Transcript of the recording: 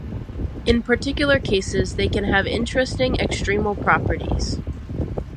In particular cases, they can have interesting extremal properties.